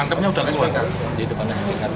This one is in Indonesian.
nangkepnya sudah keluar